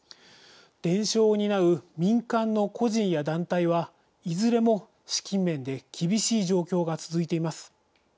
伝承を担う民間の個人や団体はいずれも資金面で厳しい状況が続いています。